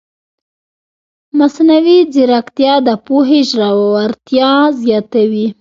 مصنوعي ځیرکتیا د پوهې ژورتیا زیاتوي.